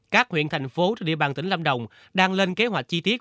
các huyện thành phố trên địa bàn tỉnh lâm đồng đang lên kế hoạch chi tiết